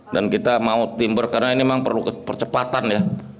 dan kita mau timber karena ini memang perlu percepatan ya